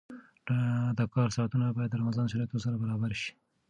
د کار ساعتونه باید د رمضان شرایطو سره برابر شي.